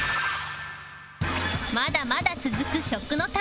まだまだ続く食の旅